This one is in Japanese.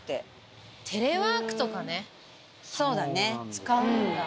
使うんだ。